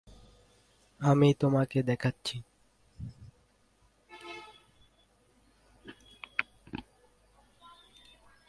আমি তোমাকে দেখাচ্ছি।